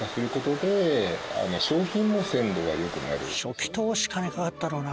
初期投資金かかったろうな。